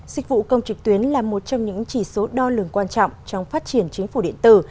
dịch vụ công trực tuyến là một trong những chỉ số đo lường quan trọng trong phát triển chính phủ điện tử